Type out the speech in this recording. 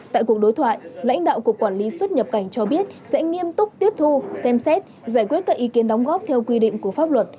tại cuộc đối thoại lãnh đạo cục quản lý xuất nhập cảnh cho biết sẽ nghiêm túc tiếp thu xem xét giải quyết các ý kiến đóng góp theo quy định của pháp luật